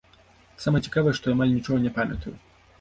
Самае цікавае, што я амаль нічога не памятаю.